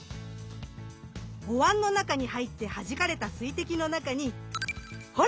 おわんの中に入ってはじかれた水滴の中にほら！